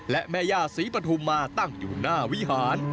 และแม่ย่าศรีปฐุมมาตั้งอยู่หน้าวิหาร